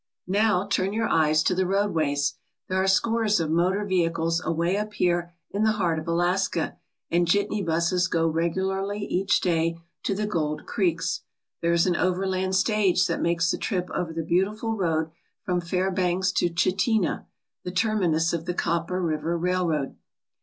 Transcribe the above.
Now turn your eyes to the roadways. There are scores of motor vehicles away up here in the heart of Alaska and jitney buses go regularly each day to the gold creeks. There is an overland stage that makes the trip over the beautiful road from Fairbanks to Chitina, the terminus of the Copper River Railroad.